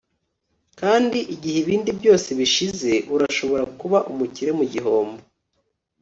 kandi igihe ibindi byose bishize, urashobora kuba umukire mu gihombo